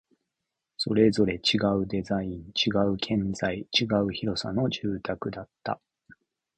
それぞれ違うデザイン、違う建材、違う広さの住宅だった